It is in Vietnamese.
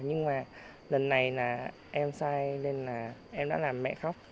nhưng mà lần này là em sai nên là em đã làm mẹ khóc